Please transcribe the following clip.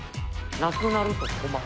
「なくなると困る」。